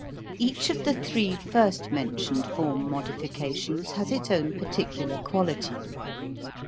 Each of the three first mentioned form modifications has its own partic ular quality.